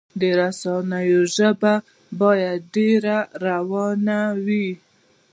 د رسنیو ژبه باید ډیره روانه وي.